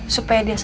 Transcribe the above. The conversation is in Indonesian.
supaya dia bisa